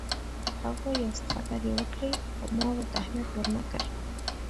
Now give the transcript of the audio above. هغوی یو څه خبرې وکړې خو ما ورته اهمیت ورنه کړ.